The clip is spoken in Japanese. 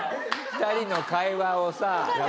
２人の会話をさ。